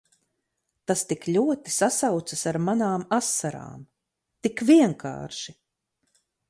Tas tik ļoti sasaucas ar manām asarām. Tik vienkārši!